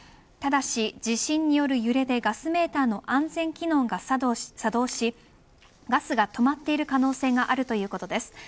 ただし、地震による揺れでガスメーターの安全機能が作動しガスが止まっている可能性があるそうです。